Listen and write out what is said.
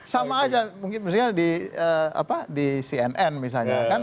sama aja mungkin misalnya di cnn misalnya kan